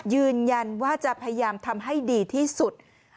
ยืนยันว่าจะพยายามทำให้ดีที่สุด